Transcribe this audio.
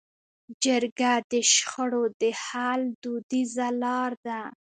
جرګه د شخړو د حل دودیزه لار ده.